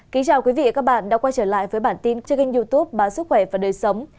kính chào quý vị và các bạn đã quay trở lại với bản tin trên kênh youtube báo sức khỏe và đời sống